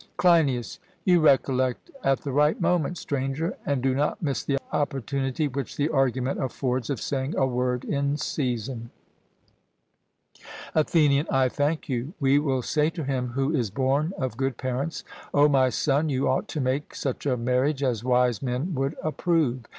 CLEINIAS: You recollect at the right moment, Stranger, and do not miss the opportunity which the argument affords of saying a word in season. ATHENIAN: I thank you. We will say to him who is born of good parents O my son, you ought to make such a marriage as wise men would approve.